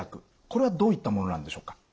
これはどういったものなんでしょうか。